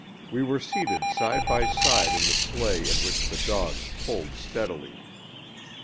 We were seated side by side in the sleigh at which the dogs pulled steadily.